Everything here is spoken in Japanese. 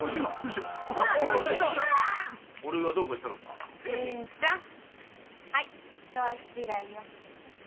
ハイ一足違いよ。